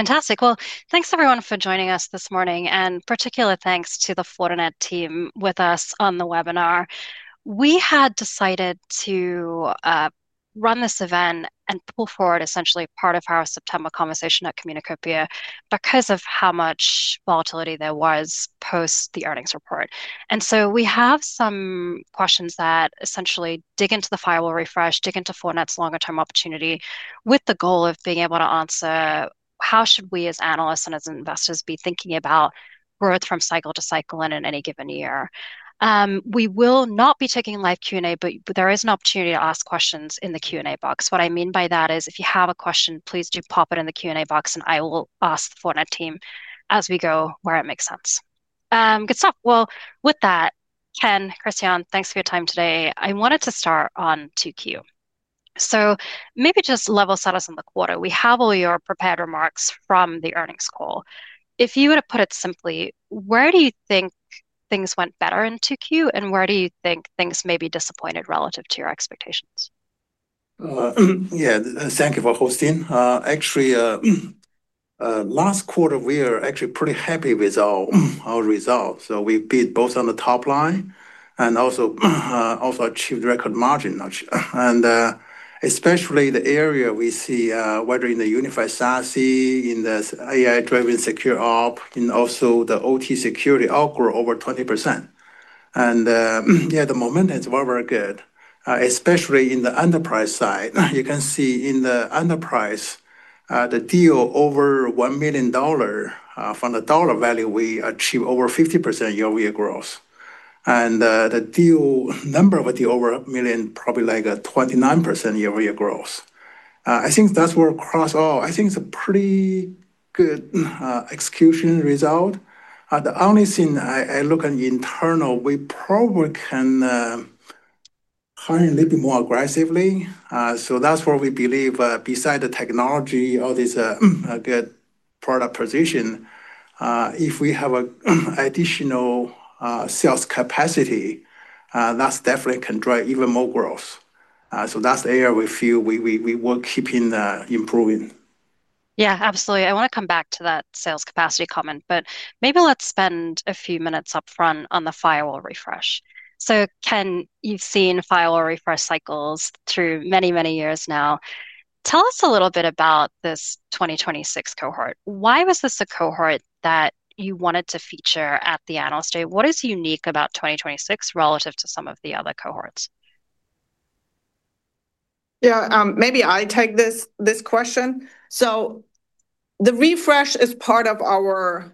Fantastic. Thanks everyone for joining us this morning, and particular thanks to the Fortinet team with us on the webinar. We had decided to run this event and pull forward essentially part of our September conversation at Communacopia because of how much volatility there was post the earnings report. We have some questions that essentially dig into the firewall refresh, dig into Fortinet's longer-term opportunity with the goal of being able to answer how should we as analysts and as investors be thinking about growth from cycle to cycle and in any given year. We will not be taking live Q&A, but there is an opportunity to ask questions in the Q&A box. What I mean by that is if you have a question, please do pop it in the Q&A box and I will ask the Fortinet team as we go where it makes sense. Good stuff. With that, Ken, Christiane, thanks for your time today. I wanted to start on 2Q. Maybe just level set us on the quarter. We have all your prepared remarks from the earnings call. If you were to put it simply, where do you think things went better in 2Q and where do you think things may be disappointed relative to your expectations? Yeah, thank you for hosting. Actually, last quarter we are actually pretty happy with our results. We beat both on the top line and also achieved record margin. Especially the area we see, whether in the unified SASE, in the AI-driven security operations, and also the OT security, all grow over 20%. The momentum is very, very good. Especially in the enterprise side, you can see in the enterprise, the deal over $1 million from the dollar value, we achieved over 50% year-over-year growth. The number of deals over $1 million probably like a 29% year-over-year growth. I think that's where across all, I think it's a pretty good execution result. The only thing I look at internal, we probably can hire a little bit more aggressively. We believe beside the technology, all these good product position, if we have additional sales capacity, that definitely can drive even more growth. That's the area we feel we will keep improving. Yeah, absolutely. I want to come back to that sales capacity comment, but maybe let's spend a few minutes up front on the firewall refresh. Ken, you've seen firewall refresh cycles through many, many years now. Tell us a little bit about this 2026 cohort. Why was this a cohort that you wanted to feature at the analyst day? What is unique about 2026 relative to some of the other cohorts? Yeah, maybe I take this question. The refresh is part of our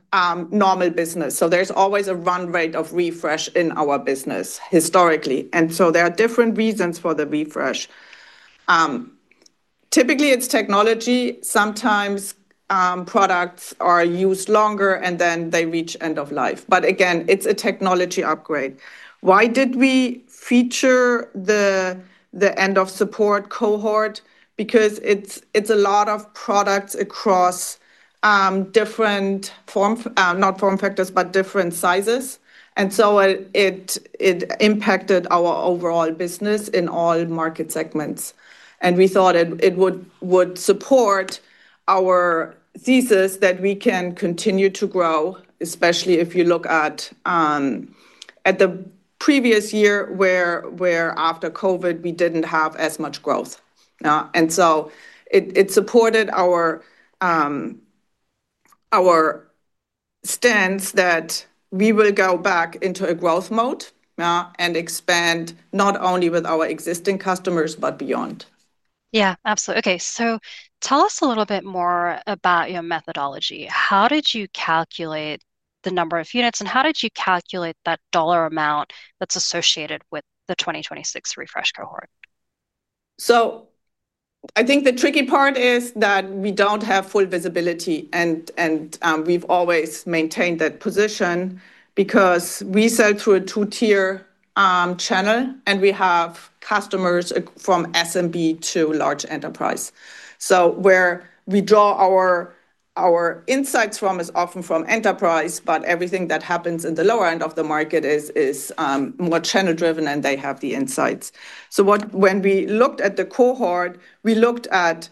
normal business. There's always a run rate of refresh in our business historically. There are different reasons for the refresh. Typically, it's technology. Sometimes products are used longer and then they reach end of life. Again, it's a technology upgrade. Why did we feature the end of support cohort? It's a lot of products across different sizes. It impacted our overall business in all market segments. We thought it would support our thesis that we can continue to grow, especially if you look at the previous year where after COVID we didn't have as much growth. It supported our stance that we will go back into a growth mode and expand not only with our existing customers but beyond. Yeah, absolutely. Okay, tell us a little bit more about your methodology. How did you calculate the number of units, and how did you calculate that dollar amount that's associated with the 2026 refresh cohort? I think the tricky part is that we don't have full visibility and we've always maintained that position because we sell through a two-tier distribution model and we have customers from SMB to large enterprise. Where we draw our insights from is often from enterprise, but everything that happens in the lower end of the market is more channel driven and they have the insights. When we looked at the cohort, we looked at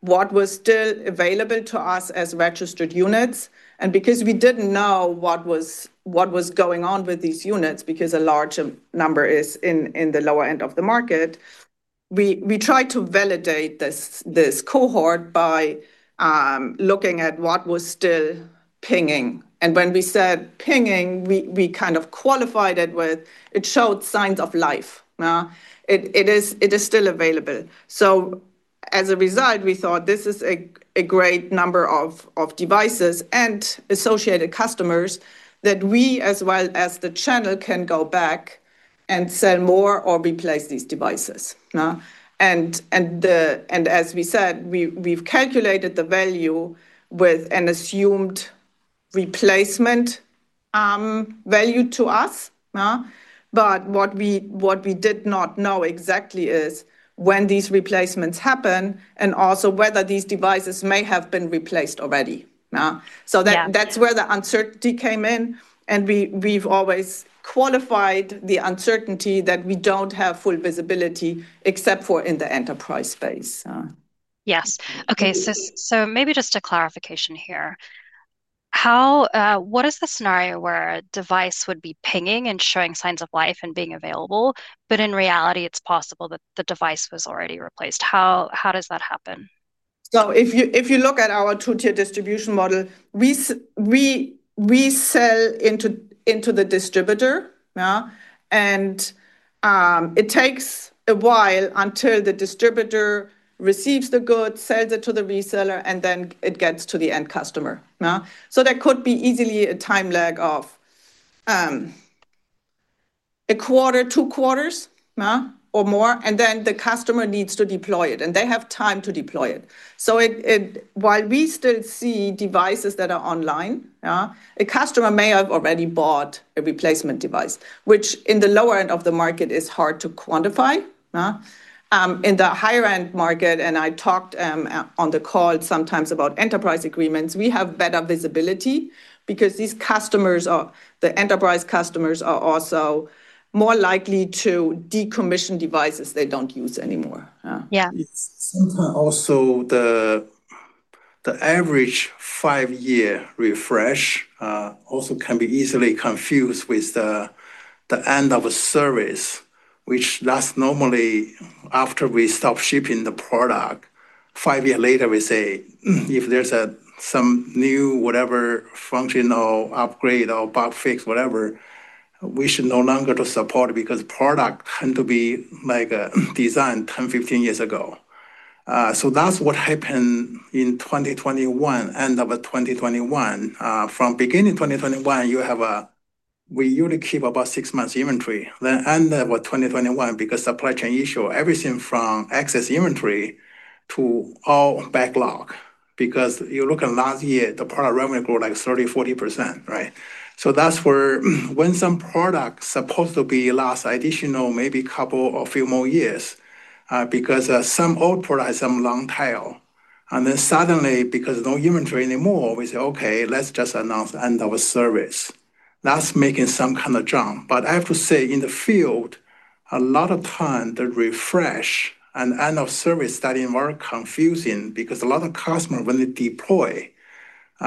what was still available to us as registered units. Because we didn't know what was going on with these units, since a large number is in the lower end of the market, we tried to validate this cohort by looking at what was still pinging. When we said pinging, we kind of qualified it with, it showed signs of life. It is still available. As a result, we thought this is a great number of devices and associated customers that we as well as the channel can go back and sell more or replace these devices. As we said, we've calculated the value with an assumed replacement value to us. What we did not know exactly is when these replacements happen and also whether these devices may have been replaced already. That's where the uncertainty came in. We've always qualified the uncertainty that we don't have full visibility except for in the enterprise space. Yes. Okay, maybe just a clarification here. What is the scenario where a device would be pinging and showing signs of life and being available, but in reality it's possible that the device was already replaced? How does that happen? If you look at our two-tier distribution model, we sell into the distributor. It takes a while until the distributor receives the goods, sells it to the reseller, and then it gets to the end customer. There could be easily a time lag of a quarter, two quarters, or more, and then the customer needs to deploy it and they have time to deploy it. While we still see devices that are online, a customer may have already bought a replacement device, which in the lower end of the market is hard to quantify. In the higher end market, and I talked on the call sometimes about enterprise agreements, we have better visibility because these customers, the enterprise customers, are also more likely to decommission devices they don't use anymore. Yeah. It's sometimes also the average five-year refresh also can be easily confused with the end of a service, which that's normally after we stop shipping the product. Five years later, we say if there's some new, whatever, functional upgrade or bug fix, whatever, we should no longer support it because the product can be like designed 10, 15 years ago. That's what happened in 2021, end of 2021. From the beginning of 2021, you have a, we usually keep about six months inventory. End of 2021, because of the supply chain issue, everything from excess inventory to all backlog, because you look at last year, the product revenue grew like 30%, 40%. That's where when some products are supposed to last additional, maybe a couple or a few more years, because some old products have some long tail. Suddenly, because no inventory anymore, we say, okay, let's just announce the end of a service. That's making some kind of jump. I have to say in the field, a lot of times the refresh and end of service studying are confusing because a lot of customers when they deploy,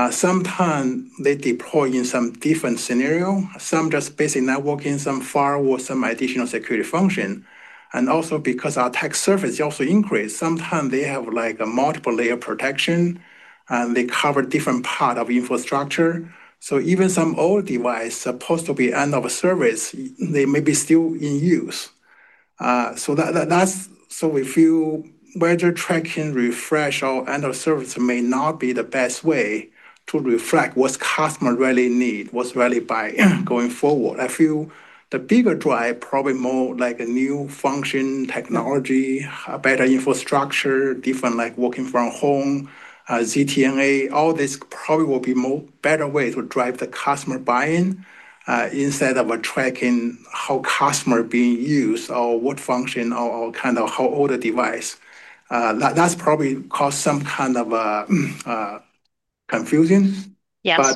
sometimes they deploy in some different scenarios. Some just basic networking, some firewall, some additional security function. Also because our tech service also increased, sometimes they have like a multiple layer protection and they cover different parts of infrastructure. Even some old devices are supposed to be end of a service, they may be still in use. We feel whether tracking refresh or end of service may not be the best way to reflect what customers really need, what's really buying going forward. I feel the bigger drive probably more like a new function technology, better infrastructure, different like working from home, ZTNA, all this probably will be a better way to drive the customer buy-in instead of tracking how customers are being used or what function or kind of how old the device. That's probably caused some kind of confusion. Yes.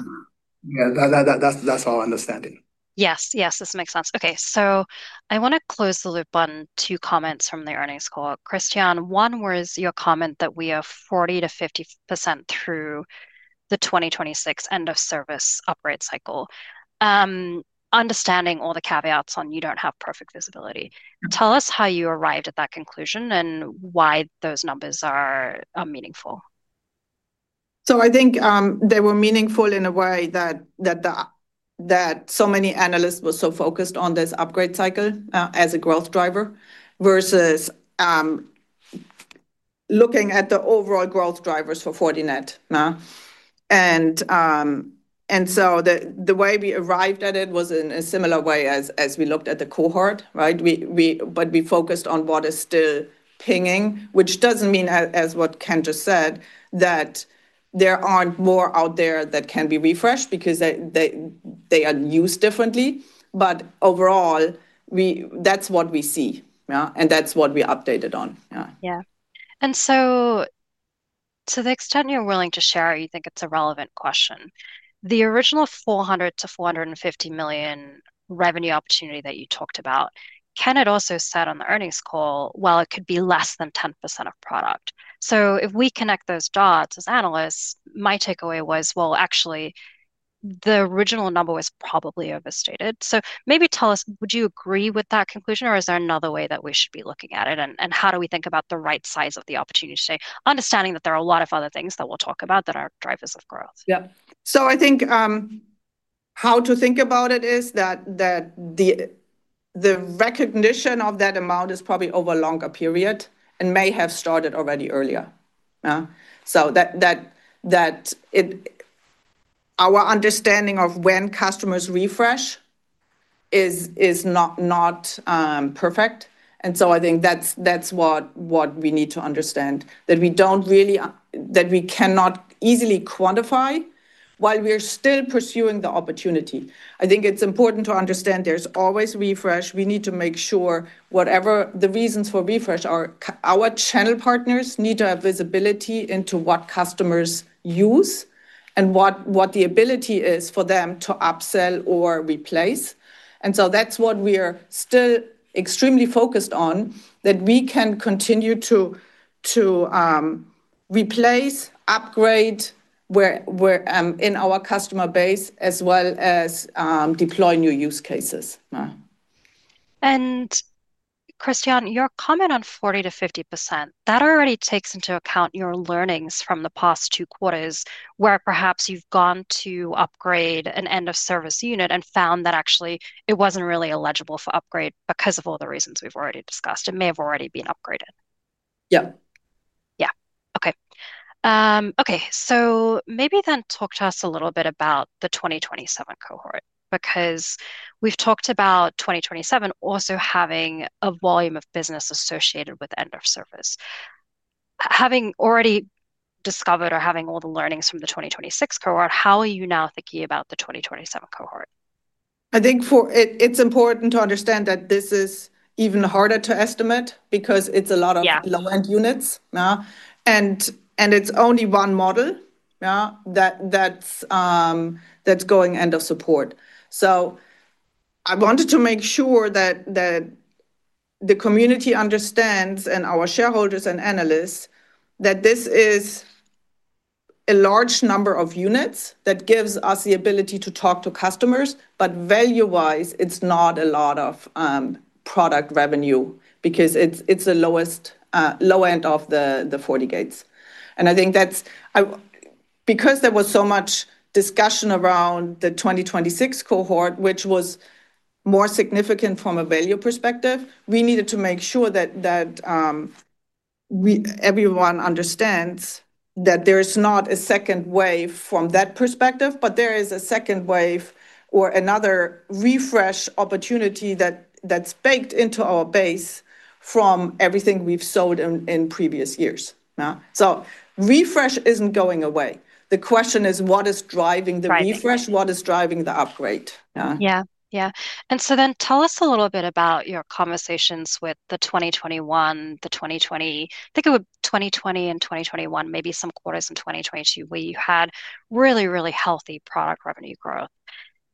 Yes, that's our understanding. Yes, yes, this makes sense. Okay, I want to close the loop on two comments from the earnings call. Christiane, one was your comment that we have 40%-50% through the 2026 end of service upgrade cycle, understanding all the caveats on you don't have perfect visibility. Tell us how you arrived at that conclusion and why those numbers are meaningful. I think they were meaningful in a way that so many analysts were so focused on this upgrade cycle as a growth driver versus looking at the overall growth drivers for Fortinet. The way we arrived at it was in a similar way as we looked at the cohort, right? We focused on what is still pinging, which doesn't mean, as what Ken just said, that there aren't more out there that can be refreshed because they are used differently. Overall, that's what we see, and that's what we updated on. Yeah. To the extent you're willing to share, you think it's a relevant question. The original $400 million-$450 million revenue opportunity that you talked about, Ken also said on the earnings call, it could be less than 10% of product. If we connect those dots as analysts, my takeaway was the original number was probably overstated. Maybe tell us, would you agree with that conclusion or is there another way that we should be looking at it? How do we think about the right size of the opportunity today, understanding that there are a lot of other things that we'll talk about that are drivers of growth? Yeah. I think how to think about it is that the recognition of that amount is probably over a longer period and may have started already earlier. Our understanding of when customers refresh is not perfect. I think that's what we need to understand, that we don't really, that we cannot easily quantify while we're still pursuing the opportunity. I think it's important to understand there's always refresh. We need to make sure whatever the reasons for refresh are, our channel partners need to have visibility into what customers use and what the ability is for them to upsell or replace. That's what we are still extremely focused on, that we can continue to replace, upgrade in our customer base as well as deploy new use cases. Christian, your comment on 40%-50% already takes into account your learnings from the past two quarters where perhaps you've gone to upgrade an end-of-service unit and found that actually it wasn't really eligible for upgrade because of all the reasons we've already discussed. It may have already been upgraded. Yeah. Okay, so maybe then talk to us a little bit about the 2027 cohort because we've talked about 2027 also having a volume of business associated with end of service. Having already discovered or having all the learnings from the 2026 cohort, how are you now thinking about the 2027 cohort? I think it's important to understand that this is even harder to estimate because it's a lot of low-end units. It's only one model that's going end of support. I wanted to make sure that the community understands, and our shareholders and analysts, that this is a large number of units that gives us the ability to talk to customers, but value-wise, it's not a lot of product revenue because it's the lower end of the FortiGate. I think that's because there was so much discussion around the 2026 cohort, which was more significant from a value perspective. We needed to make sure that everyone understands that there is not a second wave from that perspective, but there is a second wave or another refresh opportunity that's baked into our base from everything we've sold in previous years. Refresh isn't going away. The question is what is driving the refresh, what is driving the upgrade. Tell us a little bit about your conversations with the 2020, the 2021, maybe some quarters in 2022 where you had really, really healthy product revenue growth.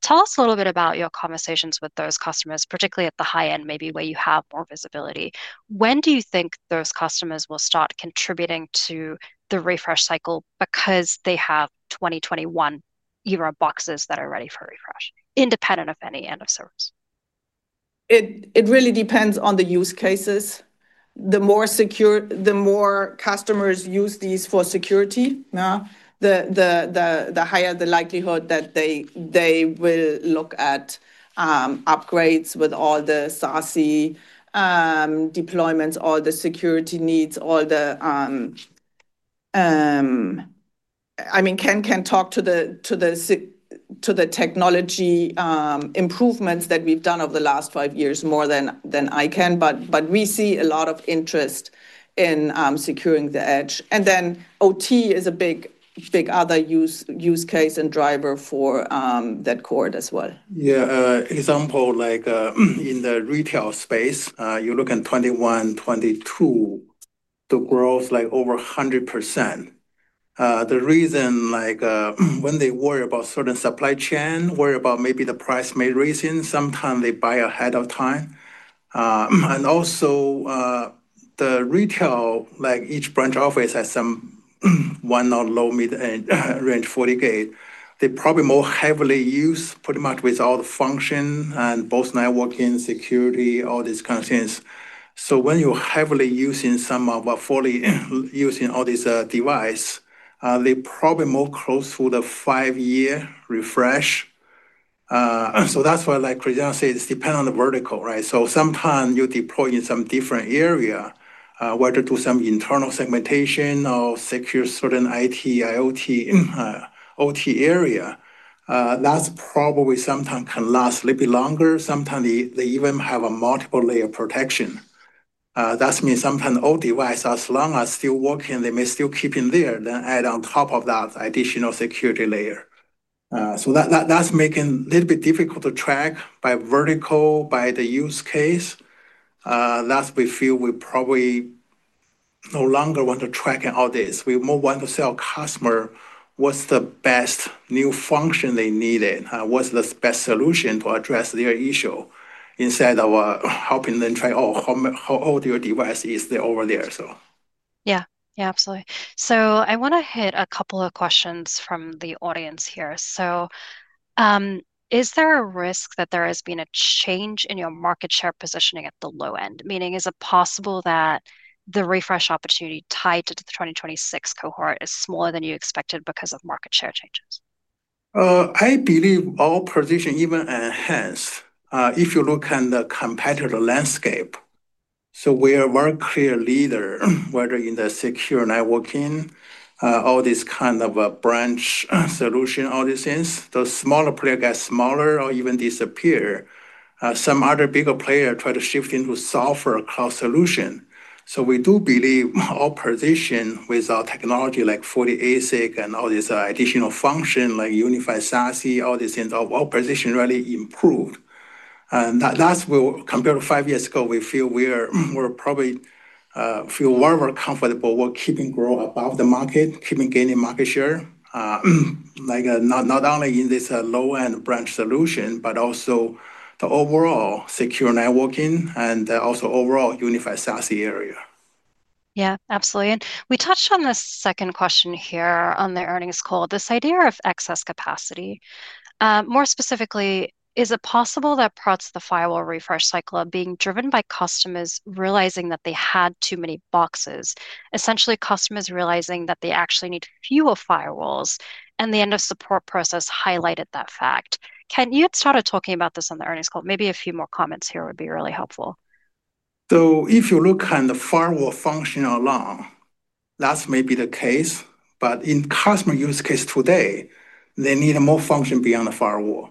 Tell us a little bit about your conversations with those customers, particularly at the high end, maybe where you have more visibility. When do you think those customers will start contributing to the refresh cycle because they have 2021 [ERA] boxes that are ready for refresh, independent of any end of service? It really depends on the use cases. The more secure, the more customers use these for security, the higher the likelihood that they will look at upgrades with all the SASE deployments, all the security needs, all the, I mean, Ken can talk to the technology improvements that we've done over the last five years more than I can, but we see a lot of interest in securing the edge. OT is a big, big other use case and driver for that cohort as well. Yeah, example, like in the retail space, you look at 2021, 2022, the growth like over 100%. The reason, like when they worry about certain supply chain, worry about maybe the price may raise in, sometimes they buy ahead of time. Also, the retail, like each branch office has some one or low mid-range FortiGate. They probably more heavily use pretty much with all the function and both networking, security, all these kinds of things. When you're heavily using some of a fully using all these devices, they probably more close to the five-year refresh. That's why, like Christiane says, it's dependent on the vertical, right? Sometimes you deploy in some different area, whether to do some internal segmentation or secure certain IT, IoT, OT area. That's probably sometimes can last a little bit longer. Sometimes they even have a multiple layer protection. That means sometimes all devices, as long as they're still working, they may still keep in there, then add on top of that additional security layer. That's making it a little bit difficult to track by vertical, by the use case. That's what we feel we probably no longer want to track in all this. We more want to sell customers what's the best new function they needed, what's the best solution to address their issue instead of helping them track, oh, how old your device is over there. Absolutely. I want to hit a couple of questions from the audience here. Is there a risk that there has been a change in your market share positioning at the low end? Meaning, is it possible that the refresh opportunity tied to the 2026 cohort is smaller than you expected because of market share changes? I believe all positions, even enhanced, if you look at the competitor landscape, we are a very clear leader, whether in the secure networking, all these kinds of branch solutions, all these things, the smaller players get smaller or even disappear. Some other bigger players try to shift into software cloud solutions. We do believe our position with our technology, like ASIC technology and all these additional functions, like unified SASE, all these things, our position really improved. That's where, compared to five years ago, we feel we're probably feel very, very comfortable. We're keeping growth above the market, keeping gaining market share, not only in this low-end branch solution, but also the overall secure networking and also overall unified SASE area. Absolutely. We touched on this second question here on the earnings call, this idea of excess capacity. More specifically, is it possible that parts of the firewall refresh cycle are being driven by customers realizing that they had too many boxes? Essentially, customers realizing that they actually need fewer firewalls, and the end-of-life triggers highlighted that fact. Ken, you had started talking about this on the earnings call. Maybe a few more comments here would be really helpful. If you look at the firewall function alone, that may be the case, but in customer use case today, they need more function beyond the firewall.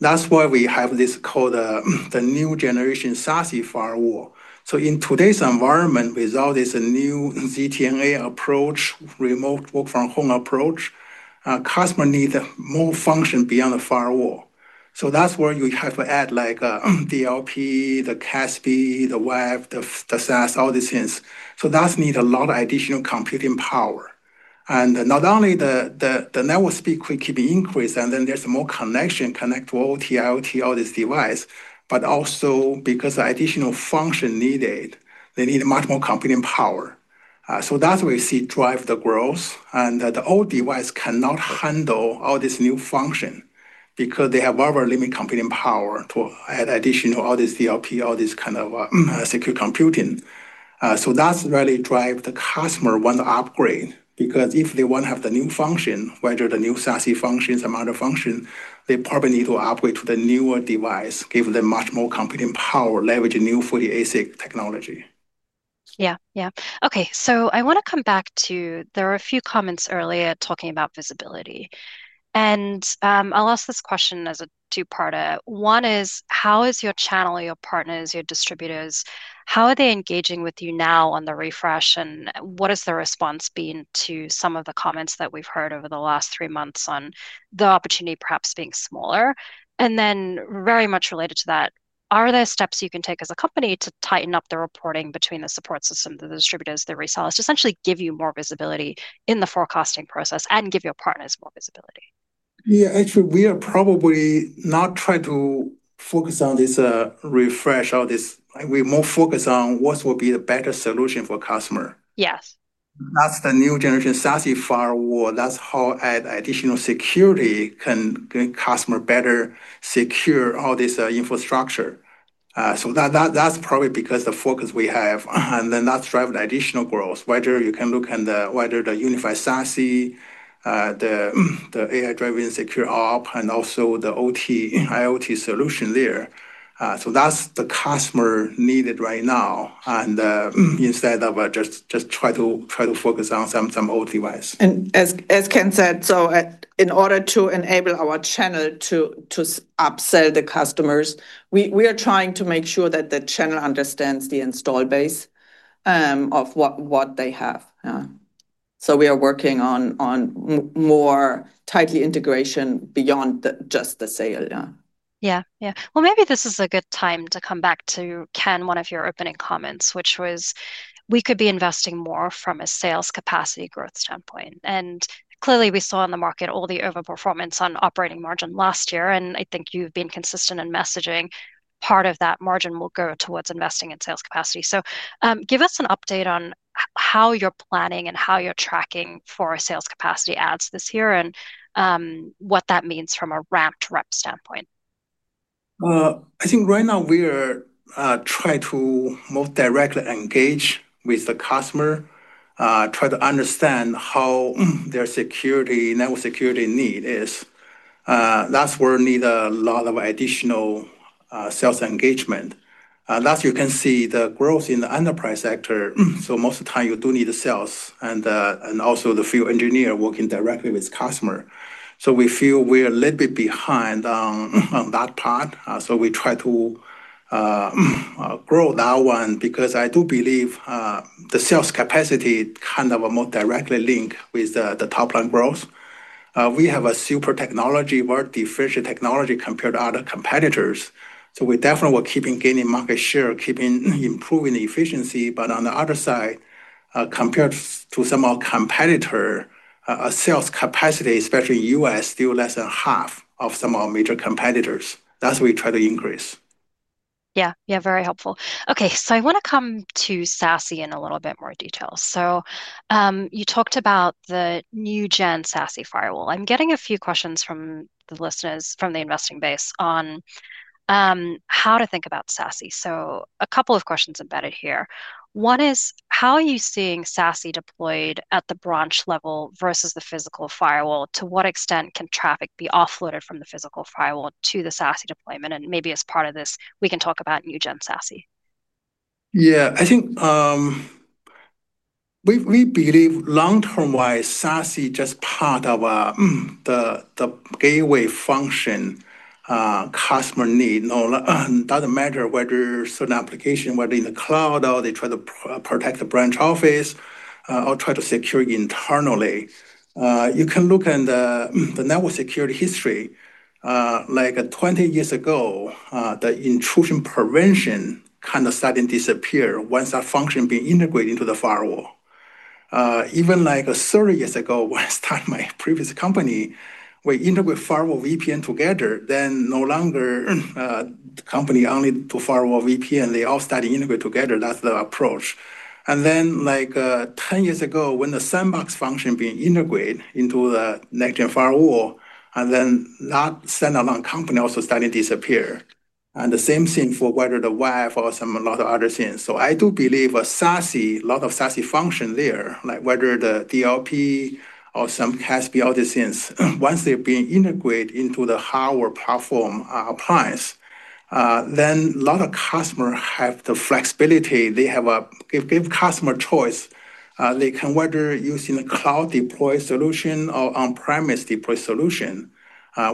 That's why we have this called the new generation SASE firewall. In today's environment, without this new ZTNA approach, remote work from home approach, customers need more function beyond the firewall. That's where you have to add like DLP, the CASB, the WAP, the SAS, all these things. That needs a lot of additional computing power. Not only the network speed quickly increases, and then there's more connection connected to OT, IoT, all these devices, but also because the additional function needed, they need much more computing power. That's where we see drive the growth. The old device cannot handle all this new function because they have very, very limited computing power to add additional all this DLP, all this kind of secure computing. That's really drive the customer want to upgrade because if they want to have the new function, whether the new SASE function, some other function, they probably need to upgrade to the newer device, give them much more computing power, leverage new Fortinet ASIC technology. Okay, so I want to come back to, there were a few comments earlier talking about visibility. I'll ask this question as a two-parter. One is, how is your channel, your partners, your distributors, how are they engaging with you now on the refresh, and what has the response been to some of the comments that we've heard over the last three months on the opportunity perhaps being smaller? Very much related to that, are there steps you can take as a company to tighten up the reporting between the support system, the distributors, the resellers, to essentially give you more visibility in the forecasting process and give your partners more visibility? Yeah, actually, we are probably not trying to focus on this refresh or this. We're more focused on what will be the better solution for customers. Yes. That's the new generation SASE firewall. That's how additional security can customer better secure all this infrastructure. That's probably because the focus we have, and that's driving additional growth. You can look at whether the unified SASE, the AI-driven security operations, and also the OT, IoT solution there. That's the customer needed right now, instead of just trying to focus on some old device. As Ken said, in order to enable our channel to upsell the customers, we are trying to make sure that the channel understands the install base of what they have. We are working on more tightly integration beyond just the sale. Maybe this is a good time to come back to, Ken, one of your opening comments, which was we could be investing more from a sales capacity growth standpoint. Clearly, we saw in the market all the overperformance on operating margin last year, and I think you've been consistent in messaging part of that margin will go towards investing in sales capacity. Give us an update on how you're planning and how you're tracking for sales capacity ads this year and what that means from a ramped rep standpoint. I think right now we're trying to more directly engage with the customer, try to understand how their security, network security need is. That's where we need a lot of additional sales engagement. You can see the growth in the enterprise sector. Most of the time you do need the sales and also the field engineer working directly with customers. We feel we're a little bit behind on that part. We try to grow that one because I do believe the sales capacity kind of more directly linked with the top line growth. We have a super technology, very differential technology compared to other competitors. We definitely were keeping gaining market share, keeping improving the efficiency, but on the other side, compared to some of our competitors, our sales capacity, especially in the U.S., still less than half of some of our major competitors. That's what we try to increase. Yeah, very helpful. Okay, I want to come to SASE in a little bit more detail. You talked about the new gen SASE firewall. I'm getting a few questions from the listeners from the investing base on how to think about SASE. A couple of questions embedded here. One is, how are you seeing SASE deployed at the branch level versus the physical firewall? To what extent can traffic be offloaded from the physical firewall to the SASE deployment? Maybe as part of this, we can talk about new gen SASE. Yeah, I think we believe long-term wise SASE is just part of the gateway function customer needs. No matter whether it's an application, whether in the cloud, or they try to protect the branch office, or try to secure internally, you can look at the network security history. Like 20 years ago, the intrusion prevention kind of started to disappear once that function had been integrated into the firewall. Even like 30 years ago, one time my previous company, we integrated firewall VPN together, then no longer the company only do firewall VPN, they all started to integrate together. That's the approach. Then like 10 years ago, when the sandbox function had been integrated into the next-gen firewall, that standalone company also started to disappear. The same thing for whether the WAF or some other things. I do believe a lot of SASE function there, like whether the DLP or some CASB, all these things, once they've been integrated into the hardware platform appliance, then a lot of customers have the flexibility. They have a give customer choice. They can whether use in a cloud deploy solution or on-premise deploy solution,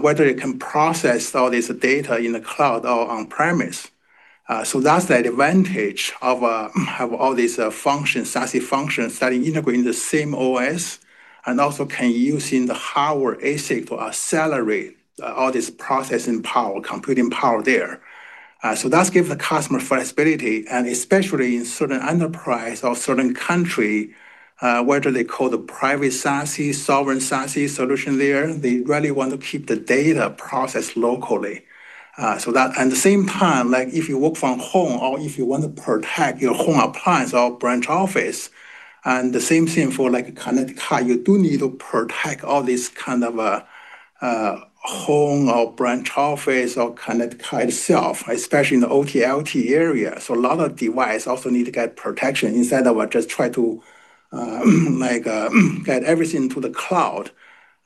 whether it can process all this data in the cloud or on-premise. That's the advantage of all these functions, SASE functions, starting integrating the same OS and also can use in the hardware ASIC to accelerate all this processing power, computing power there. That gives the customer flexibility, and especially in certain enterprise or certain countries, whether they call the private SASE, sovereign SASE solution there, they really want to keep the data processed locally. At the same time, like if you work from home or if you want to protect your home appliance or branch office, the same thing for like a connected car, you do need to protect all this kind of a home or branch office or connected car itself, especially in the OT, LT area. A lot of devices also need to get protection instead of just trying to like get everything to the cloud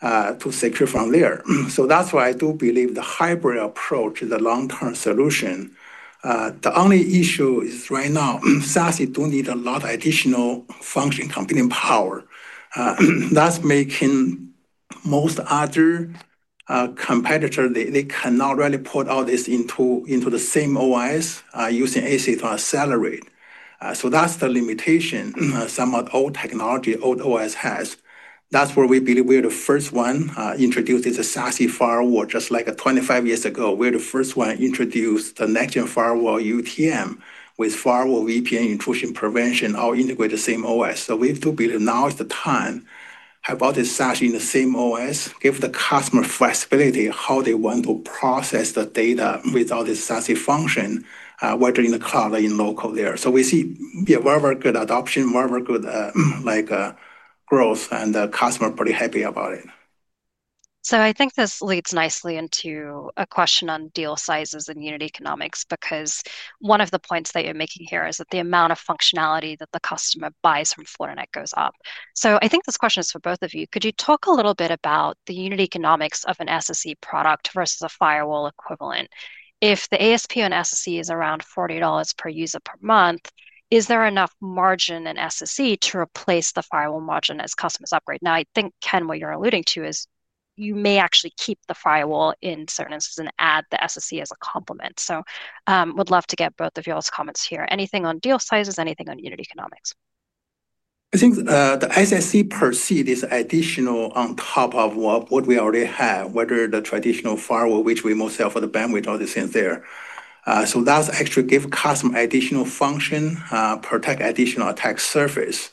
to secure from there. That's why I do believe the hybrid approach is a long-term solution. The only issue is right now, SASE do need a lot of additional function computing power. That's making most other competitors, they cannot really put all this into the same OS using ASIC to accelerate. That's the limitation some of the old technology, old OS has. That's where we believe we're the first one introducing the SASE firewall, just like 25 years ago, we're the first one introduced the next-gen firewall UTM with firewall VPN intrusion prevention, all integrated in the same OS. We do believe now is the time about the SASE in the same OS, give the customer flexibility how they want to process the data without the SASE function, whether in the cloud or in local there. We see very, very good adoption, very, very good growth, and the customer is pretty happy about it. I think this leads nicely into a question on deal sizes and unit economics, because one of the points that you're making here is that the amount of functionality that the customer buys from Fortinet goes up. I think this question is for both of you. Could you talk a little bit about the unit economics of an SSE product versus a firewall equivalent? If the ASP on SSE is around $40 per user per month, is there enough margin in SSE to replace the firewall margin as customers upgrade? I think, Ken, what you're alluding to is you may actually keep the firewall in certain instances and add the SSE as a complement. I would love to get both of your comments here. Anything on deal sizes, anything on unit economics? I think the SSE per se is additional on top of what we already have, whether the traditional firewall, which we mostly offer the bandwidth, all these things there. That's actually giving customers additional function, protecting additional attack surface.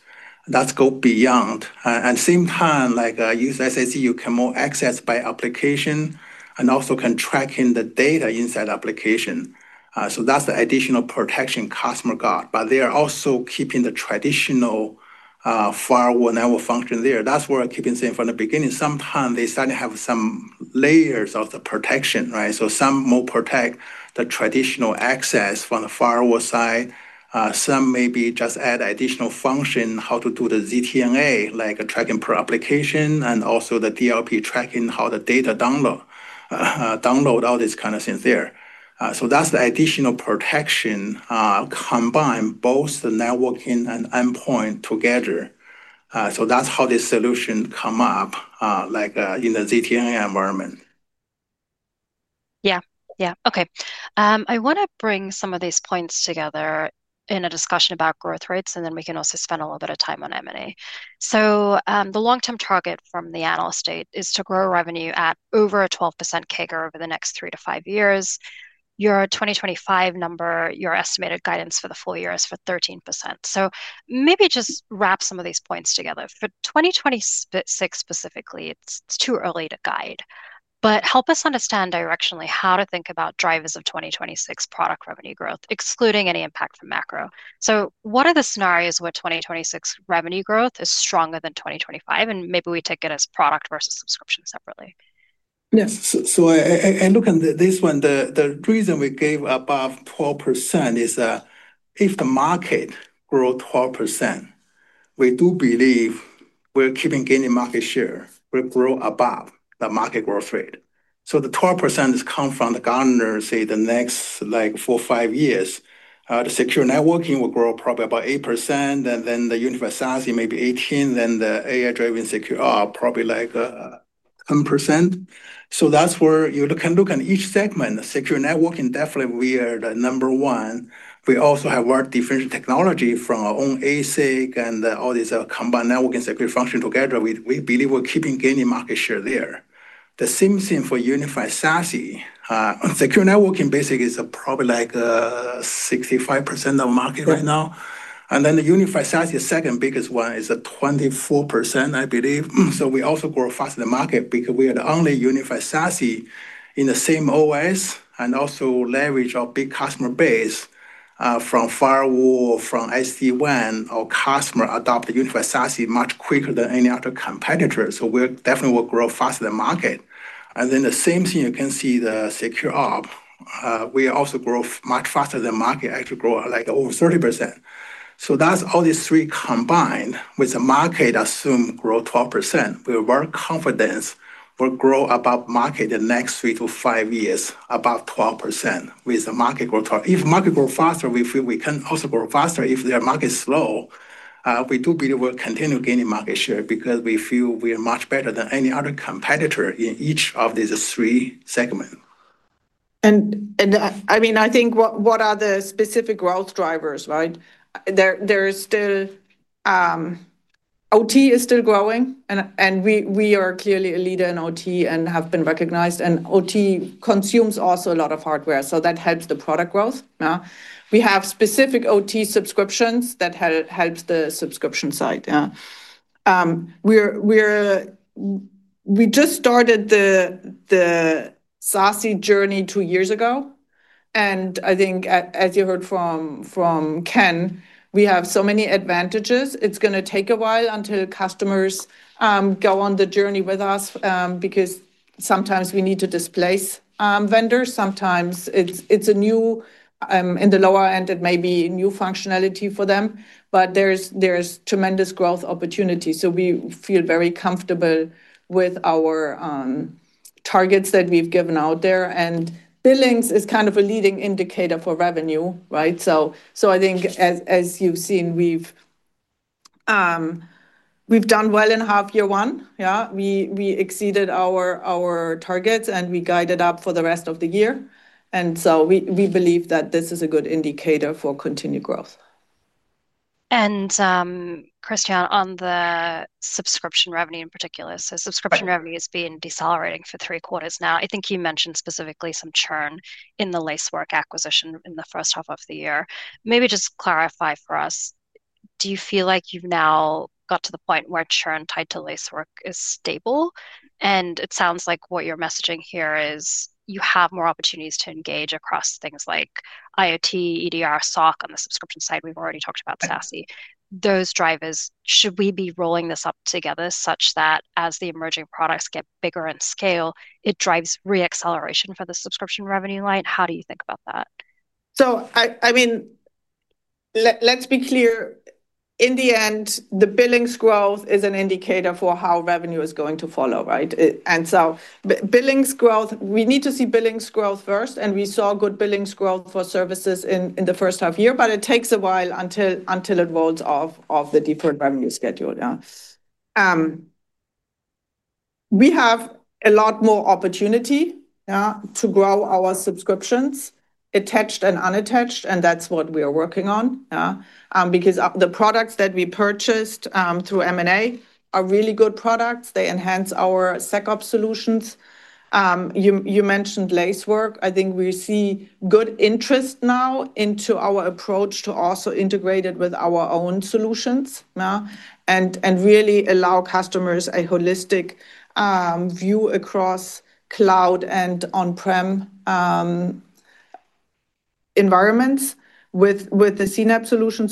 That's going beyond. At the same time, like using SSE, you can more access by application and also can track in the data inside the application. That's the additional protection customer got. They are also keeping the traditional firewall network function there. That's where I keep saying from the beginning, sometimes they start to have some layers of the protection, right? Some more protect the traditional access from the firewall side. Some maybe just add additional function, how to do the ZTNA, like tracking per application and also the DLP tracking, how the data download, download all these kinds of things there. That's the additional protection combined both the networking and endpoint together. That's how this solution comes up like in the ZTNA environment. Yeah, yeah. Okay. I want to bring some of these points together in a discussion about growth rates, and then we can also spend a little bit of time on M&A. The long-term target from the analyst date is to grow revenue at over a 12% CAGR over the next three to five years. Your 2025 number, your estimated guidance for the full year is for 13%. Maybe just wrap some of these points together. For 2026 specifically, it's too early to guide. Help us understand directionally how to think about drivers of 2026 product revenue growth, excluding any impact from macro. What are the scenarios where 2026 revenue growth is stronger than 2025? Maybe we take it as product versus subscription separately. Yes. I look at this one. The reason we gave above 12% is if the market grows 12%, we do believe we're keeping gaining market share. We grow above the market growth rate. The 12% is coming from the governor, say the next like four, five years. The secure networking will grow probably about 8%, and then the unified SASE maybe 18%. The AI-driven security operations probably like 10%. That's where you can look at each segment. Secure networking definitely we are the number one. We also have work differential technology from our own ASIC technology and all these combined networking security functions together. We believe we're keeping gaining market share there. The same thing for unified SASE. Secure networking basically is probably like 65% of the market right now, and then the unified SASE, the second biggest one, is 24%, I believe. We also grow faster than the market because we are the only unified SASE in the same OS and also leverage our big customer base from firewall, from SD-WAN. Our customers adopt the unified SASE much quicker than any other competitor. We definitely will grow faster than the market. The same thing you can see the security operations. We also grow much faster than the market, actually grow like over 30%. All these three combined with the market assumed growth 12%. We're very confident we'll grow above market the next three to five years, above 12% with the market growth. If the market grows faster, we can also grow faster. If the market is slow, we do believe we'll continue gaining market share because we feel we're much better than any other competitor in each of these three segments. I think what are the specific growth drivers, right? There is still OT is still growing, and we are clearly a leader in OT and have been recognized. OT consumes also a lot of hardware, so that helps the product growth. We have specific OT subscriptions that help the subscription side. We just started the SASE journey two years ago. I think, as you heard from Ken, we have so many advantages. It's going to take a while until customers go on the journey with us because sometimes we need to displace vendors. Sometimes it's a new, in the lower end, it may be new functionality for them. There's tremendous growth opportunity. We feel very comfortable with our targets that we've given out there. Billings is kind of a leading indicator for revenue, right? I think, as you've seen, we've done well in half year one. Yeah, we exceeded our targets, and we guided up for the rest of the year. We believe that this is a good indicator for continued growth. Christiane, on the subscription revenue in particular, subscription revenue has been decelerating for three quarters now. I think you mentioned specifically some churn in the Lacework acquisition in the first half of the year. Maybe just clarify for us, do you feel like you've now got to the point where churn tied to Lacework is stable? It sounds like what you're messaging here is you have more opportunities to engage across things like IoT, EDR, SOC, and the subscription side. We've already talked about SASE. Those drivers, should we be rolling this up together such that as the emerging products get bigger in scale, it drives re-acceleration for the subscription revenue line? How do you think about that? Let's be clear. In the end, the billings growth is an indicator for how revenue is going to follow, right? Billings growth, we need to see billings growth first. We saw good billings growth for services in the first half year, but it takes a while until it rolls off the deeper revenue schedule. We have a lot more opportunity to grow our subscriptions, attached and unattached, and that's what we are working on. The products that we purchased through M&A are really good products. They enhance our SecOps solutions. You mentioned Lacework. I think we see good interest now into our approach to also integrate it with our own solutions and really allow customers a holistic view across cloud and on-prem environments with the CNAPP solution.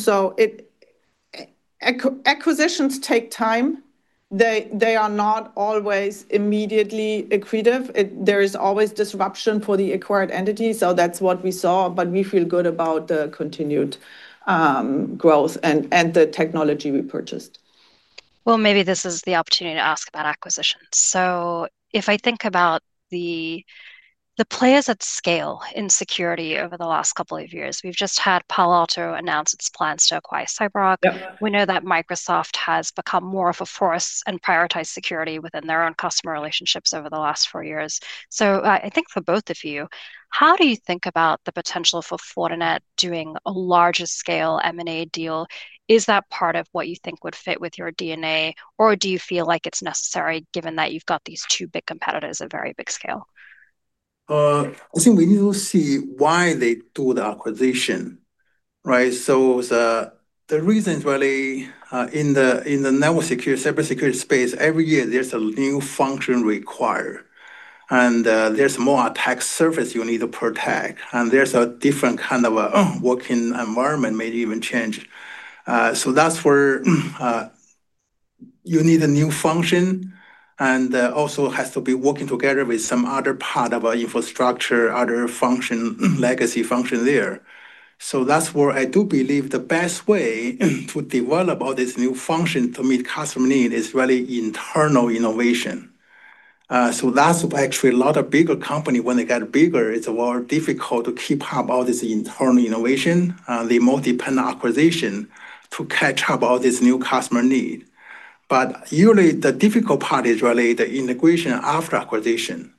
Acquisitions take time. They are not always immediately accretive. There is always disruption for the acquired entity. That's what we saw, but we feel good about the continued growth and the technology we purchased. Maybe this is the opportunity to ask about acquisitions. If I think about the players at scale in security over the last couple of years, we've just had Palo Alto announce its plans to acquire CyberArk. We know that Microsoft has become more of a force and prioritized security within their own customer relationships over the last four years. I think for both of you, how do you think about the potential for Fortinet doing a larger scale M&A deal? Is that part of what you think would fit with your DNA, or do you feel like it's necessary given that you've got these two big competitors at very big scale? I think we need to see why they do the acquisition, right? The reason is really in the network security, cybersecurity space, every year there's a new function required. There's more attack surface you need to protect, and there's a different kind of working environment, maybe even change. That's where you need a new function and also has to be working together with some other part of our infrastructure, other function, legacy function there. I do believe the best way to develop all these new functions to meet customer needs is really internal innovation. That's actually a lot of bigger companies. When they get bigger, it's more difficult to keep up all this internal innovation. They more depend on acquisition to catch up all this new customer need. Usually, the difficult part is really the integration after acquisition.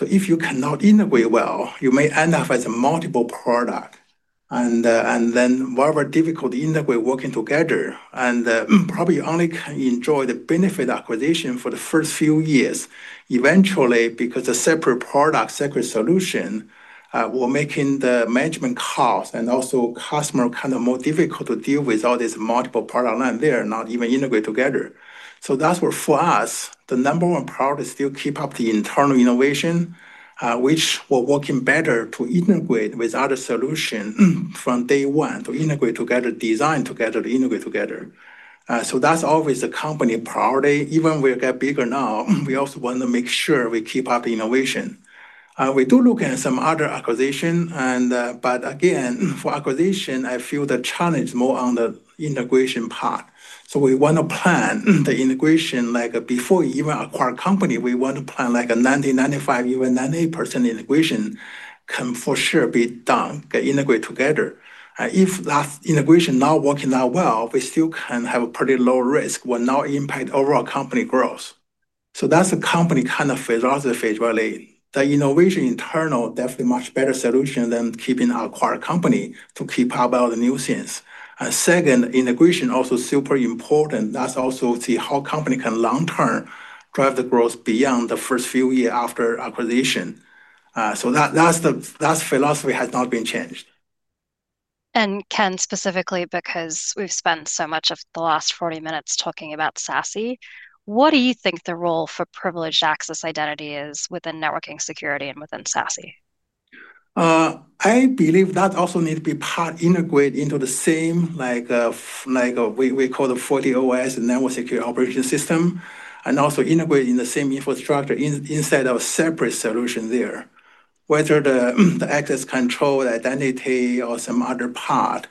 If you cannot integrate well, you may end up as a multiple product, and then very, very difficult to integrate working together. Probably you only can enjoy the benefit of acquisition for the first few years. Eventually, because a separate product, separate solution will make the management cost and also customer kind of more difficult to deal with all this multiple product line there, not even integrate together. For us, the number one priority is still to keep up the internal innovation, which we're working better to integrate with other solutions from day one to integrate together, design together, to integrate together. That's always a company priority. Even we get bigger now, we also want to make sure we keep up the innovation. We do look at some other acquisitions. Again, for acquisition, I feel the challenge is more on the integration part. We want to plan the integration like before you even acquire a company. We want to plan like a 90%, 95%, even 98% integration can for sure be done, get integrated together. If that integration is not working out well, we still can have a pretty low risk. We're not impacting overall company growth. That's a company kind of philosophy is really the innovation internal, definitely a much better solution than keeping an acquired company to keep up all the new things. Second, integration is also super important. That's also to see how a company can long-term drive the growth beyond the first few years after acquisition. That philosophy has not been changed. Ken, specifically because we've spent so much of the last 40 minutes talking about SASE, what do you think the role for privileged access identity is within networking security and within SASE? I believe that also needs to be part integrated into the same, like we call the FortiOS, the network security operation system, and also integrated in the same infrastructure inside of a separate solution there. Whether the access control, the identity, or some other part,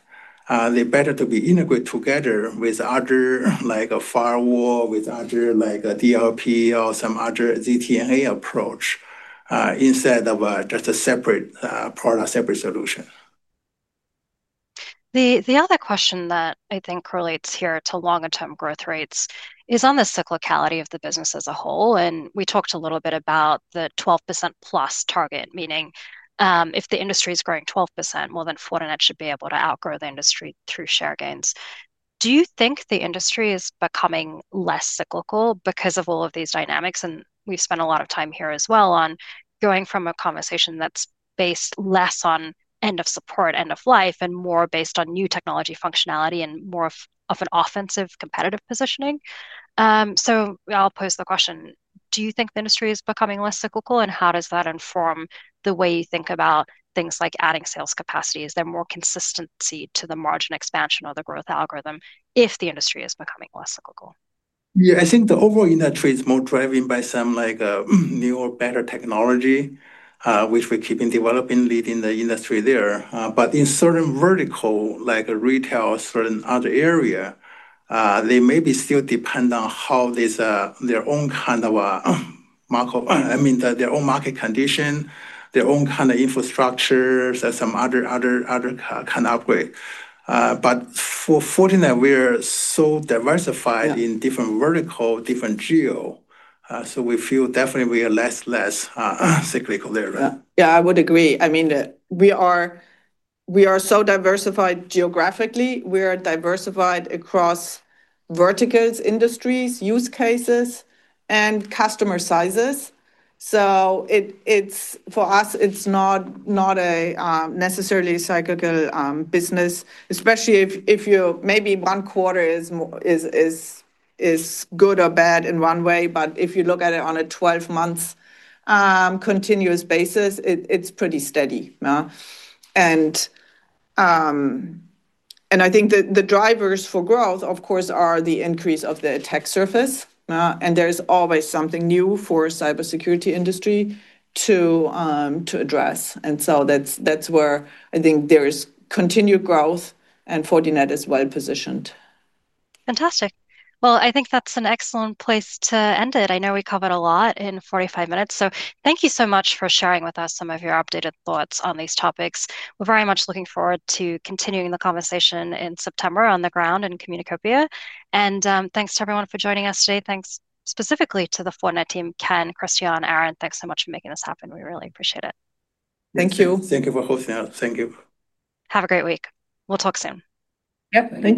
they better to be integrated together with other like a firewall, with other like a DLP, or some other ZTNA approach instead of just a separate product, separate solution. The other question that I think relates here to longer-term growth rates is on the cyclicality of the business as a whole. We talked a little bit about the 12%+ target, meaning if the industry is growing 12%, Fortinet should be able to outgrow the industry through share gains. Do you think the industry is becoming less cyclical because of all of these dynamics? We have spent a lot of time here as well on going from a conversation that's based less on end-of-life triggers and more based on new technology functionality and more of an offensive competitive positioning. I will pose the question, do you think the industry is becoming less cyclical? How does that inform the way you think about things like adding sales capacities and more consistency to the margin expansion or the growth algorithm if the industry is becoming less cyclical? Yeah, I think the overall industry is more driven by some like new or better technology, which we're keeping developing, leading the industry there. In certain verticals, like retail or certain other areas, they may be still dependent on how their own kind of market condition, their own kind of infrastructure, some other kind of upgrade. For Fortinet, we are so diversified in different verticals, different geos. We feel definitely we are less, less cyclical there. Yeah, I would agree. I mean, we are so diversified geographically. We are diversified across verticals, industries, use cases, and customer sizes. For us, it's not a necessarily cyclical business, especially if maybe one quarter is good or bad in one way. If you look at it on a 12-month continuous basis, it's pretty steady. I think the drivers for growth, of course, are the increase of the attack surface. There's always something new for the cybersecurity industry to address. That's where I think there is continued growth, and Fortinet is well positioned. Fantastic. I think that's an excellent place to end it. I know we covered a lot in 45 minutes. Thank you so much for sharing with us some of your updated thoughts on these topics. We're very much looking forward to continuing the conversation in September on the ground in Communacopia. Thanks to everyone for joining us today. Thanks specifically to the Fortinet team, Ken, Christiane, Aaron, thanks so much for making this happen. We really appreciate it. Thank you. Thank you for hosting us. Thank you. Have a great week. We'll talk soon. Yep, thank you.